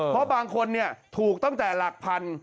เพราะบางคนถูกตั้งแต่หลักพัน